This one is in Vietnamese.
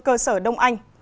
cơ sở đông anh